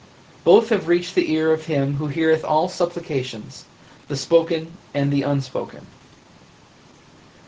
Both have reached the ear of Him Who heareth all supplications, the spoken and the unspoken.